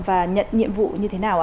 và nhận nhiệm vụ như thế nào ạ